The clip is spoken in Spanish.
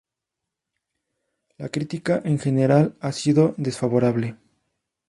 La crítica en general ha sido desfavorable.